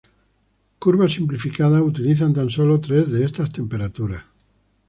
Curvas simplificadas utilizan tan sólo tres de estas temperaturas.